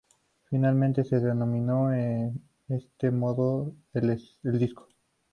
Finalmente, se denominó de este modo al disco.